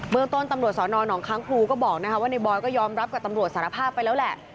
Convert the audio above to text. เมืองต้นตำรวจสอนอนองค้างครูก็บอกว่าในบอยก็ยอมรับกับตำรวจสารภาพไปแล้วแหละ